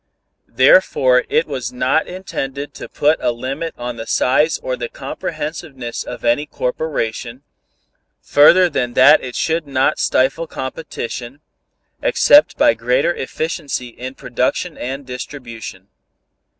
Therefore it was not intended to put a limit on the size or the comprehensiveness of any corporation, further than that it should not stifle competition, except by greater efficiency in production and distribution.